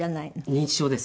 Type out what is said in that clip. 認知症です。